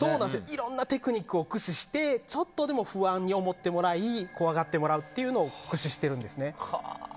いろんなテクニックを駆使してちょっとでも不安に思ってもらい怖がってもらうということを駆使しています。